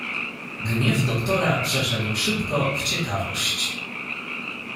"Gniew doktora przeszedł szybko w ciekawość."